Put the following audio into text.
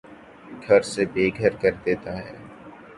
گھر سے بے گھر کر دیتا ہے